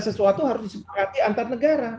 sesuatu harus disepakati antar negara